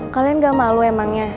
kalian gak malu emangnya